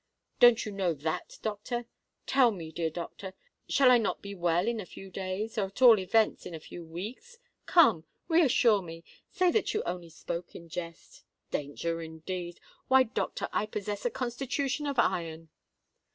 Don't you know that, doctor?—tell me dear doctor—shall I not be well in a few days—or at all events a few weeks? Come—reassure me: say that you only spoke in jest! Danger, indeed! Why, doctor, I possess a constitution of iron!"